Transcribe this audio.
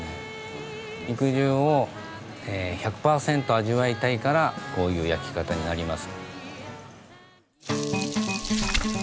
肉汁を１００％味わいたいからこういう焼き方になります。